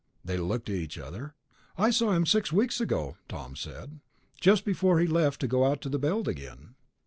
They looked at each other. "I saw him six weeks ago," Tom said. "Just before he left to go out to the Belt again."